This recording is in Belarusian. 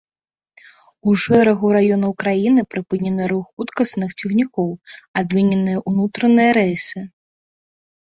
У шэрагу раёнаў краіны прыпынены рух хуткасных цягнікоў, адмененыя ўнутраныя рэйсы.